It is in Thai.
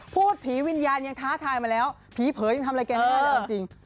พูดผีวิญญาณยังท้าทายมาแล้วผีเผลอยังทำอะไรแกไม่ได้เลยเอาจริง